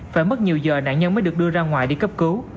phải mất nhiều giờ nạn nhân mới được đưa ra ngoài đi cấp cứu